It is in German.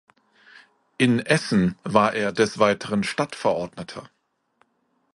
In Essen war er des Weiteren Stadtverordneter.